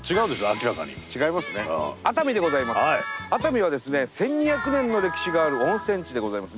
熱海はですね１，２００年の歴史がある温泉地でございます。